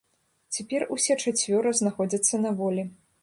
Цяпер усе чацвёра знаходзяцца на волі.